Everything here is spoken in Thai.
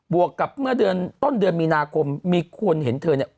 วกกับเมื่อเดือนต้นเดือนมีนาคมมีคนเห็นเธอเนี่ย